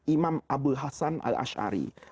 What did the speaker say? imam abu hassan al ash'ari